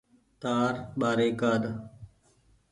تآر ٻآري ڪآڏ۔